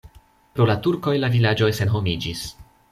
Pro la turkoj la vilaĝoj senhomiĝis.